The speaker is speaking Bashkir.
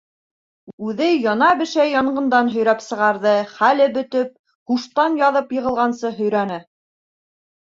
Үҙе яна-бешә янғындан һөйрәп сығарҙы, хәле бөтөп, һуштан яҙып йығылғансы һөйрәне.